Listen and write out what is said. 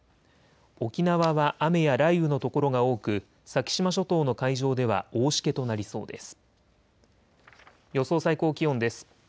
沖縄は雨や雷雨の所が多く先島諸島の海上では大しけとなりそうです。